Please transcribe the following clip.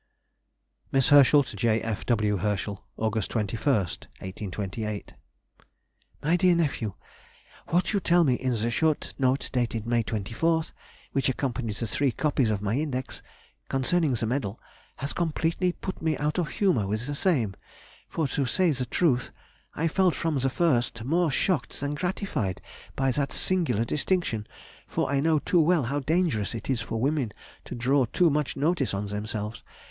[Sidenote: 1828. About the Medal.] MISS HERSCHEL TO J. F. W. HERSCHEL. Aug. 21, 1828. MY DEAR NEPHEW,— What you tell me in the short note dated May 24th, which accompanied the three copies of my Index, concerning the medal, has completely put me out of humour with the same; for to say the truth, I felt from the first more shocked than gratified by that singular distinction, for I know too well how dangerous it is for women to draw too much notice on themselves.